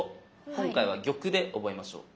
今回は玉で覚えましょう。